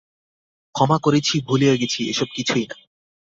ক্ষমা করেছি, ভুলেও গেছি, এসব কিছুই না।